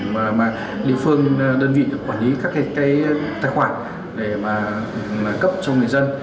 mà địa phương đơn vị quản lý các cái tài khoản để mà cấp cho người dân